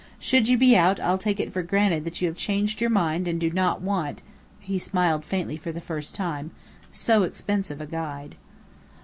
Should you be out, I'll take it for granted that you have changed your mind and do not want" he smiled faintly for the first time "so expensive a guide."